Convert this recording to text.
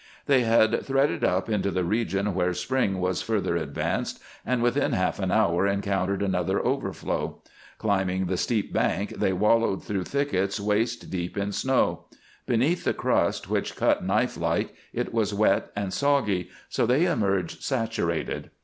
They had threaded up into the region where spring was further advanced, and within half an hour encountered another overflow. Climbing the steep bank, they wallowed through thickets waist deep in snow. Beneath the crust, which cut knifelike, it was wet and soggy, so they emerged saturated.